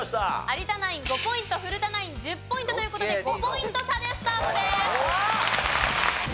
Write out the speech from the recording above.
有田ナイン５ポイント古田ナイン１０ポイントという事で５ポイント差でスタートです。